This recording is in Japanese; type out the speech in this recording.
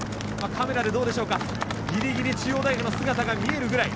カメラでどうでしょうかギリギリ中央大学の姿が見えるくらい。